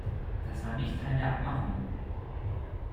Das war nicht Teil der Abmachung!